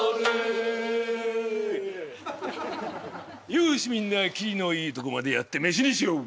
よしみんな切りのいいとこまでやって飯にしよう！